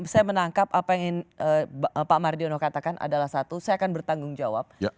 saya menangkap apa yang ingin pak mardiono katakan adalah satu saya akan bertanggung jawab